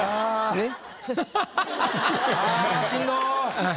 えっ！